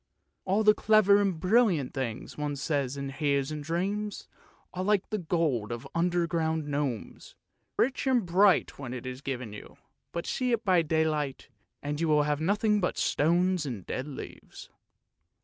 All the clever and brilliant things one says and hears in dreams are like the gold of the under ground gnomes; rich and bright when it is given you, but see it by daylight, and you have nothing but stones and dead leaves.